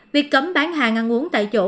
việc cấm bán hàng ăn uống tại chỗ